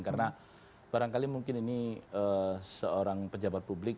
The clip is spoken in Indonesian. karena barangkali mungkin ini seorang pejabat publik